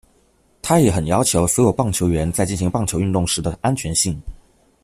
他也很要求所有棒球员在进行棒球运动时的安全性。